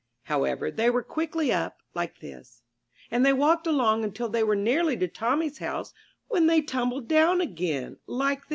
However, they were quickly up, like this, And they walked along until they were nearly to Tommy's house when they tumbled down again, like this.